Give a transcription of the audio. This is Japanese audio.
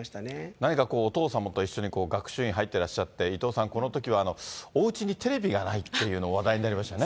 何かこう、お父様と一緒に学習院入ってらっしゃって、伊藤さん、このときはおうちにテレビがないっていうの、話題になりましたね。